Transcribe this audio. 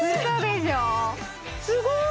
すごい！